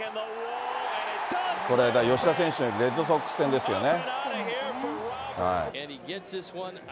これ、吉田選手だから、レッドソックス戦ですよね。